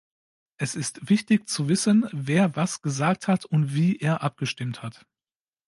Es ist wichtig zu wissen, wer was gesagt hat und wie er abgestimmt hat.